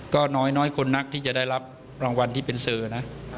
ก็น้อยคนนักที่จะได้รับรางวัลที่เป็นเซอร์นะ